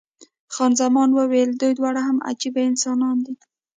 خان زمان وویل، دوی دواړه هم عجبه انسانان دي.